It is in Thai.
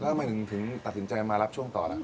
ทำไมถึงตัดสินใจมารับช่วงต่อล่ะ